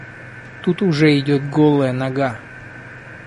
Тут уже идет голая нога.